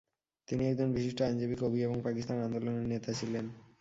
তিনি একজন বিশিষ্ট আইনজীবী, কবি এবং পাকিস্তান আন্দোলনের নেতা ছিলেন।